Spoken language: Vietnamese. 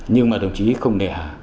nhưng mà đồng chí không nẻ